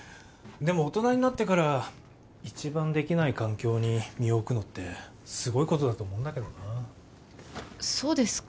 でも大人になってから一番できない環境に身を置くのってすごいことだと思うんだけどなそうですか？